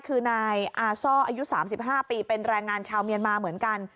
คือนายอาซ่ออายุ๓๕ปีเป็นแรงงานชาวเมียนมาเหมือนกัน